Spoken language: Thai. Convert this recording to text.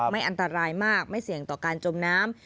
ไม่อันตรายมากไม่เสี่ยงต่อการจมน้ำ